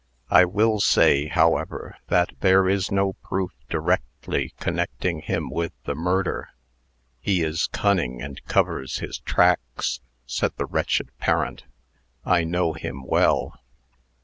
I will say, however, that there is no proof directly connecting him with the murder." "He is cunning and covers his tracks," said the wretched parent. "I know him well."